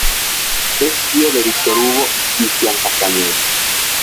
Es tío de Víctor Hugo y Cristián Castañeda.